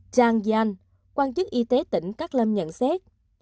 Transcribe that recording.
zhang yan quan chức y tế tỉnh cát lâm nhận xét